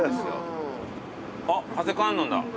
あっ長谷観音だ。